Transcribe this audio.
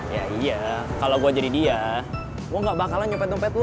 ya iya kalo gua jadi dia gua gak bakalan nyopet dompet lo